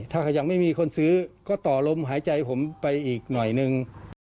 ถ้ายังไม่มีคนซื้อก็ต่อลมหายใจผมไปอีกหน่อยนึง